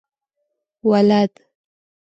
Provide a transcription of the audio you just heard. ولد؟